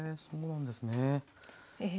そうなんですね。